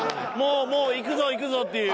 もういくぞいくぞっていう。